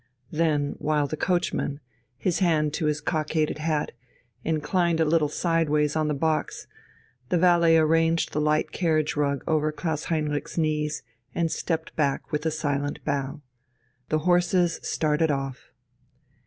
Then, while the coachman, his hand to his cockaded hat, inclined a little sideways on the box, the valet arranged the light carriage rug over Klaus Heinrich's knees and stepped back with a silent bow. The horses started off.